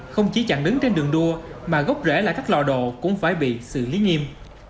không chỉ chặn đứng trên đường đua mà gốc rễ lại các lò đồ cũng phải bị xử lý nghiêm